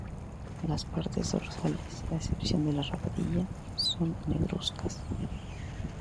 Las partes dorsales —a excepción de la rabadilla— son negruzcas.